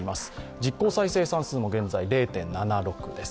実効再生産数も現在０．７６です。